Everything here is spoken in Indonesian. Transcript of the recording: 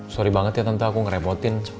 sorry banget ya tentu aku ngerepotin